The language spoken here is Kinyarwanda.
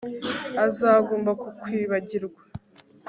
Azagomba kukwibagirwa